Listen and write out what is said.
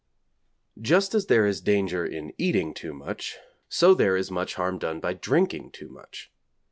Just as there is danger in eating too much, so there is much harm done by drinking too much.